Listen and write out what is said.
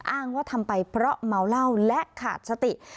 อ้างว่าทำไปเพราะเมาเหล้าและขาดสติ